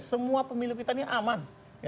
semua pemilu kita ini aman